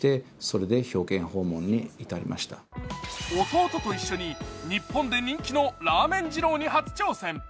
弟と一緒に日本で人気のラーメン二郎に初挑戦。